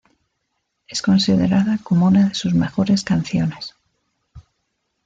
Es considerada como una de sus mejores canciones.